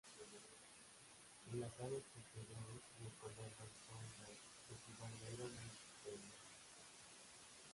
En las alas posteriores El color de fondo es igual negro muy tenue.